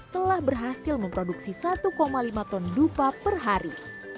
telah berhasil memproduksi satu lima ton dupa per hari